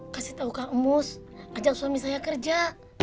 kasih tahu kak mus ajak suami saya kerja